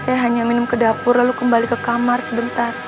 saya hanya minum ke dapur lalu kembali ke kamar sebentar